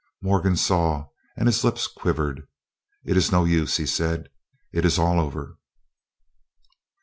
Morgan saw, and his lip quivered. "It is no use," he said, "it is all over."